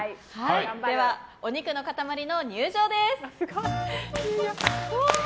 では、お肉の塊の入場です。